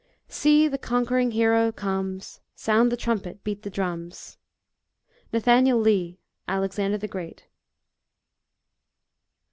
" See the conquering hero comes, Sound the trumpet, beat the drums." NATH. LEE, Alexander the Great.